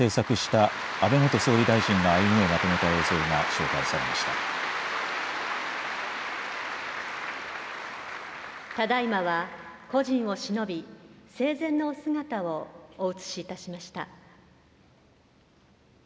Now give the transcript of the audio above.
ただいまは故人をしのび、生前のお姿をお映しいたしました。